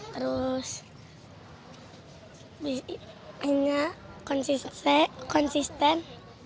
terus mainnya konsisten